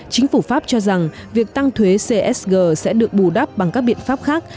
chính phủ pháp cho rằng việc tăng thuế csg sẽ được bù đắp bằng các biện pháp khác